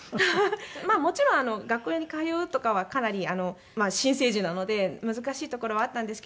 まあもちろん学校に通うとかはかなりまあ新生児なので難しいところはあったんですけども。